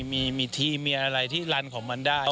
มีทีมีอะไรที่ลันของมันได้